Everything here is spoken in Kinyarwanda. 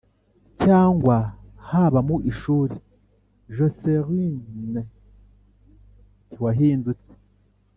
cyangwa haba mu ishuri joselyine ntiwahindutse